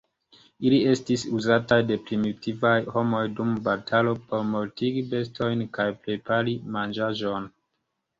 Ili estis uzataj de primitivaj homoj dum batalo, por mortigi bestojn, kaj prepari manĝaĵon.